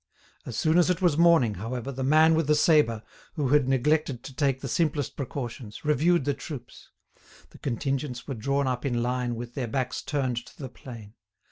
As soon as it was morning, however, the man with the sabre, who had neglected to take the simplest precautions, reviewed the troops. The contingents were drawn up in line with their backs turned to the plain.